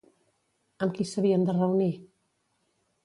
Amb qui s'havien de reunir?